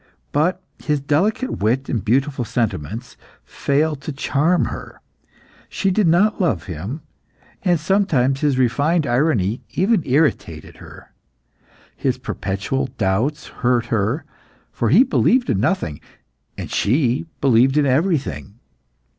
But his delicate wit and beautiful sentiments failed to charm her. She did not love him and sometimes his refined irony even irritated her. His perpetual doubts hurt her, for he believed in nothing, and she believed in everything.